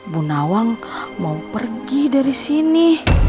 bu nawang mau pergi dari sini